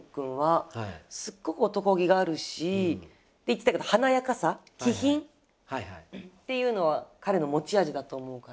すっごく男気があるしで言ってたけど華やかさ気品っていうのは彼の持ち味だと思うから。